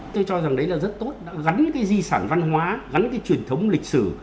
tôi cho rằng đấy là rất tốt đã gắn cái di sản văn hóa gắn cái truyền thống lịch sử